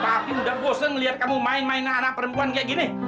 papi udah bosan ngeliat kamu main mainan anak perempuan kayak gini